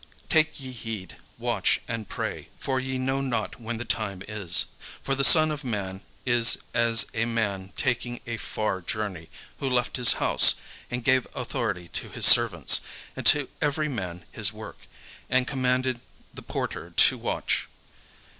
Take ye heed, watch and pray: for ye know not when the time is. For the Son of man is as a man taking a far journey, who left his house, and gave authority to his servants, and to every man his work, and commanded the porter to watch.